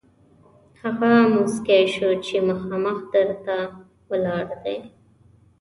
هغه موسکی شو چې مخامخ در ته ولاړ دی.